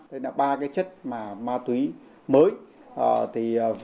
đây là ba cái chất ma túy mới